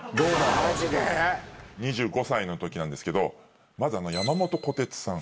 マジで⁉２５歳のときなんですけどまず山本小鉄さん。